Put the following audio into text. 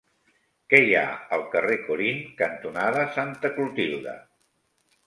Què hi ha al carrer Corint cantonada Santa Clotilde?